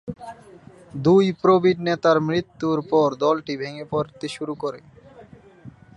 দুই প্রবীণ নেতার মৃত্যুর পর দলটি ভেঙে পড়তে শুরু করে।